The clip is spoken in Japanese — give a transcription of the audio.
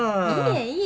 いえいえ。